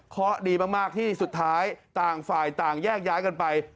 เพราะดีมากที่สุดท้ายต่างฝ่ายต่างแยกย้ายกันไป